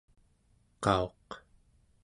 qauq¹